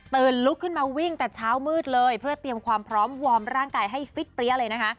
ลุกขึ้นมาวิ่งแต่เช้ามืดเลยเพื่อเตรียมความพร้อมวอร์มร่างกายให้ฟิตเปรี้ยเลยนะคะ